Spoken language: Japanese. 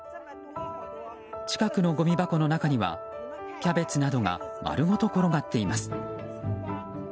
近くのごみ箱の中にはキャベツなどが丸ごと転がっています。